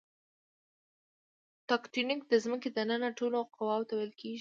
تکتونیک د ځمکې دننه ټولو قواوو ته ویل کیږي.